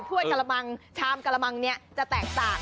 ถ้วยกระมังชามกระมังเนี่ยจะแตกต่าง